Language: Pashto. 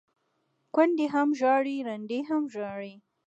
ـ کونډې هم ژاړي ړنډې هم ژاړي،